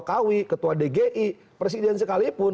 kawi ketua dgi presiden sekalipun